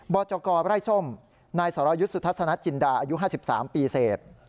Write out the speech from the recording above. บจกไล่ส้มหน่ายสารยุทธสุธศนจินดาอายุ๕๓ปีเศษ